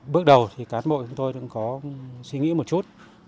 bước đầu thì cán bộ chúng tôi cũng có suy nghĩ một chút